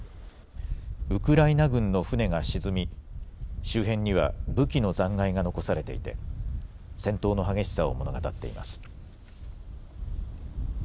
ウクライナ軍の船が沈み、周辺には武器の残骸が残されていて、戦闘の激しさを物語っています。